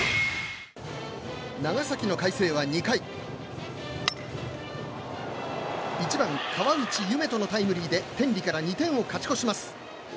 長崎の海星は２回１番、河内夢翔のタイムリーで天理から２点を勝ち越します。